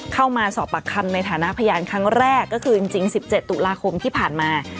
เข้ามาสอบปากคำในฐานะพยานครั้งแรกก็คือจริง๑๗ตุลาคมที่ผ่านมา